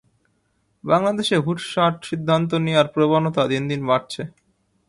বাংলাদেশে হুটহাট সিদ্ধান্ত নেওয়ার প্রবণতা দিন দিন বাড়ছে।